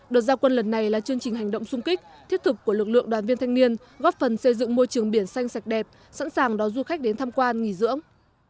đợt giao quân lần này là chương trình hành động sung kích thiết thực của lực lượng đoàn viên thanh niên góp phần xây dựng môi trường biển xanh sạch đẹp sẵn sàng đón du khách đến tham quan nghỉ dưỡng